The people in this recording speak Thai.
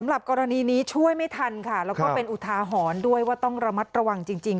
สำหรับกรณีนี้ช่วยไม่ทันค่ะแล้วก็เป็นอุทาหรณ์ด้วยว่าต้องระมัดระวังจริง